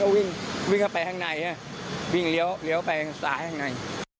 วิ่งไปหางในน่ะวิ่งเร็วเร็วไปตาหางใน